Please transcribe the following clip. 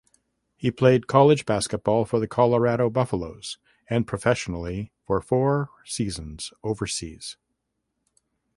He played college basketball for the Colorado Buffaloes and professionally for four seasons overseas.